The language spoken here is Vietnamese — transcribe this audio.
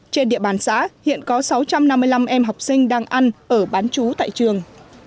trên địa bàn xã hiện có sáu trăm năm mươi năm em học sinh đang ăn ở bán chú tại trường